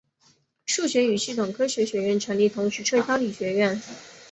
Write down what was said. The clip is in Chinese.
数学与系统科学学院成立同时撤销理学院。